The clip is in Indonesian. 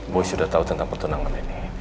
boy sudah tahu tentang pertunangan ini